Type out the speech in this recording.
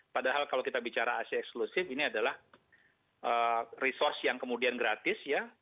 padahal kalau kita bicara asia eksklusif ini adalah resource yang kemudian gratis ya